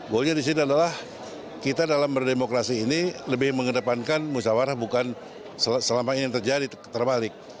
goalnya di sini adalah kita dalam berdemokrasi ini lebih mengedepankan musawarah bukan selama ini yang terjadi terbalik